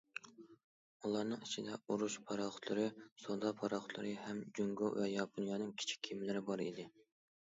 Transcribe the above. ئۇلارنىڭ ئىچىدە ئۇرۇش پاراخوتلىرى، سودا پاراخوتلىرى ھەم جۇڭگو ۋە ياپونىيەنىڭ كىچىك كېمىلىرى بار ئىدى.